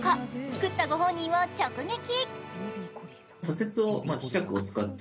作ったご本人を直撃。